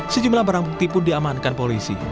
sejumlah barang bukti pun diamankan polisi